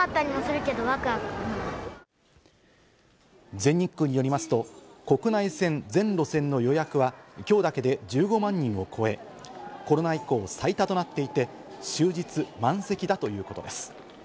全日空によりますと、国内線全路線の予約は今日だけで１５万人を超え、コロナ以降最多となっていて、終日満席だということです。